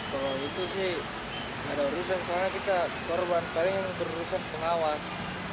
kalau itu sih ada urusan karena kita korban paling yang berusak pengawas